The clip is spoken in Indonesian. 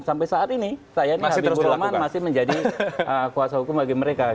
sampai saat ini saya ini habib burul aman masih menjadi kuasa hukum bagi mereka